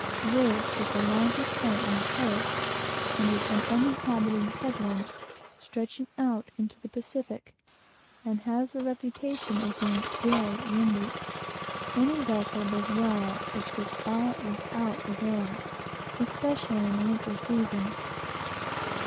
This is the largest point on the coast, and is uninhabited headland, stretching out into the Pacific, and has the reputation of being very windy. Any vessel does well which gets by it without a gale, especially in the winter season.